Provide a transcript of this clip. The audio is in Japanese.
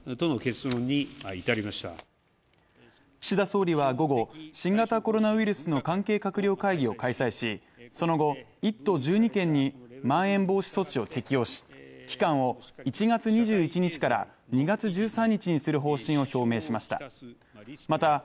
岸田総理は午後、新型コロナウイルスの関係閣僚会議を開催しその後、１都１２県にまん延防止措置を適用し期間を１月２１日から２月１３日にする方針を表明しました。